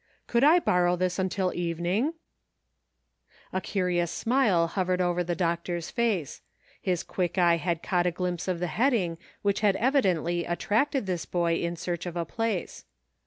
" Could I borrow this until evening .'" A curious smile hovered over the doctor's face ; his quick eye had caught a glimpse of the heading which had evidently attracted this boy in search of a place.